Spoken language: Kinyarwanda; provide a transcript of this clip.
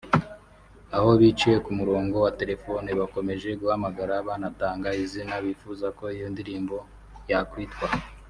aho biciye ku murongo wa telefoni bakomeje guhamagara banatanga izina bifuza ko iyo ndirimbo yakwitwa